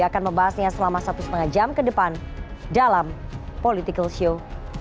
akan membahasnya selama satu lima jam ke depan dalam political show